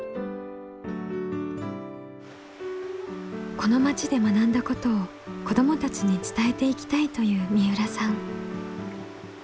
この町で学んだことを子どもたちに伝えていきたいという三浦さん。